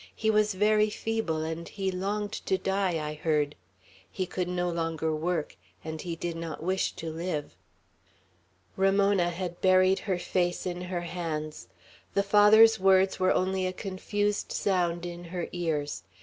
He was very feeble, and he longed to die, I heard. He could no longer work, and he did not wish to live." Ramona had buried her face in her hands. The Father's words were only a confused sound in her ears.